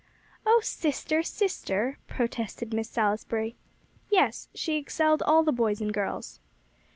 "Oh sister, sister," protested Miss Salisbury. "Yes, she excelled all the boys and girls."